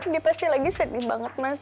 dia pasti lagi sedih banget mas